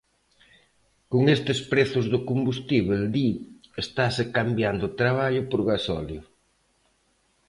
Con estes prezos do combustíbel, di, "estase cambiando traballo por gasóleo".